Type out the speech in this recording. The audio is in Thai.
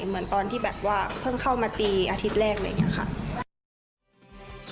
เหมือนตอนที่แบบว่าเพิ่งเข้ามาตีอาทิตย์แรกอะไรอย่างนี้ค่ะ